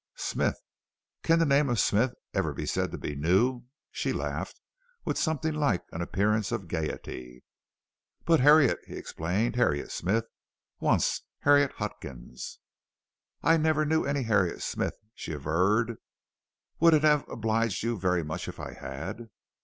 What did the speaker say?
"Smith. Can the name of Smith ever be said to be new?" she laughed with something like an appearance of gayety. "But Harriet," he explained, "Harriet Smith, once Harriet Huckins." "I never knew any Harriet Smith," she averred. "Would it have obliged you very much if I had?"